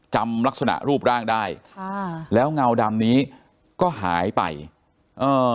จำลักษณะรูปร่างได้ค่ะแล้วเงาดำนี้ก็หายไปเอ่อ